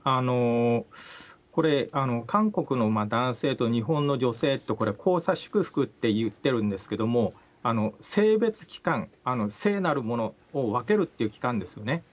韓国の男性と日本の女性と、これこうさ祝福って言ってるんですけど、聖別期間、聖なるものを分けるという期間ですね。